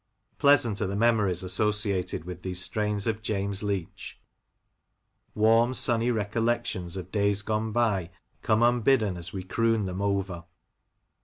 Pleasant are the memories associated with these strains of James Leach ; warm, sunny recollections of days gone by come unbidden as we croon them over.